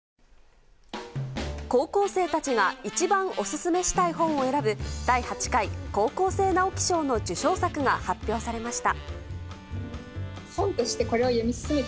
高校生たちが一番オススメしたい本を選ぶ第８回高校生直木賞の受賞作が発表されました。